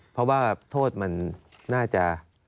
เพราะว่าโทษมันน่าจะ